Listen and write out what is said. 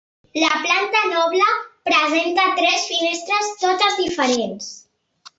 La planta noble presenta tres finestres, totes diferents.